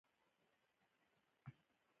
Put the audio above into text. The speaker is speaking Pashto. ملک صاحب ته مې هېڅ بد نه دي رسولي